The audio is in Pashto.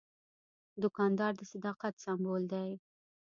دوکاندار د صداقت سمبول دی.